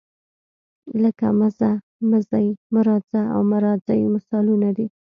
لکه مه ځه، مه ځئ، مه راځه او مه راځئ مثالونه دي.